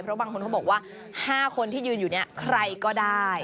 เพราะบางคนเขาบอกว่า๕คนที่ยืนอยู่เนี่ยใครก็ได้